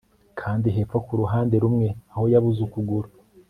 Kandi hepfo kuruhande rumwe aho yabuze ukuguru